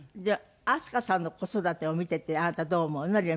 明日香さんの子育てを見ててあなたどう思うの？